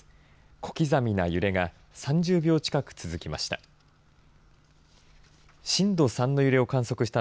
小刻みな揺れが３０秒近く続きました。